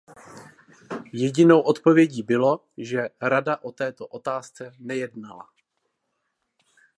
Jedinou odpovědí bylo, že Rada o této otázce nejednala.